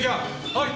はい！